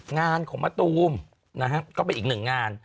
งานของมะตูมนะฮะก็เป็นอีกหนึ่งงาน